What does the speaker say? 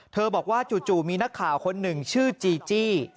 บอกว่าจู่มีนักข่าวคนหนึ่งชื่อจีจี้